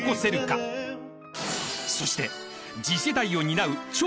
［そして］